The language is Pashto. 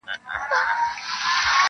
o ستا انګور انګور کتو مست و مدهوش کړم,